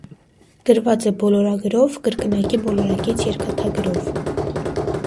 Գրված է բոլորագրով, կրկնակի բոլորագիծ երկաթագրով։